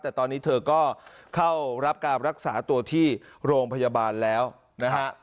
แต่ตอนนี้เธอก็เข้ารับการรักษาตัวที่โรงพยาบาลแล้วนะฮะ